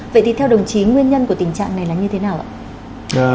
vậy thì theo đồng chí nguyên nhân của tình trạng này là như thế nào ạ